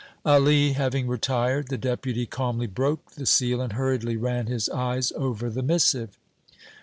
Ali having retired, the Deputy calmly broke the seal and hurriedly ran his eyes over the missive.